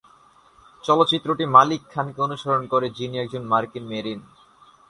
চলচ্চিত্রটি মালিক খানকে অনুসরণ করে, যিনি একজন মার্কিন মেরিন।